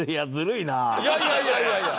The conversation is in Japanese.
いやいやいやいやいや。